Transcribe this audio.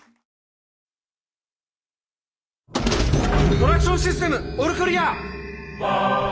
トラクションシステムオールクリア！